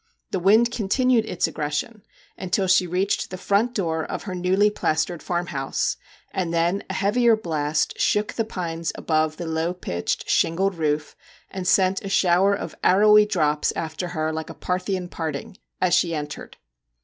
The wind continued its aggression until she 4 MR. JACK HAMLIN'S MEDIATION reached the front door of her newly plastered farmhouse, and then a heavier blast shook the pines above the low pitched, shingled roof, and sent a shower of arrowy drops after her like a Parthian parting, as she entered.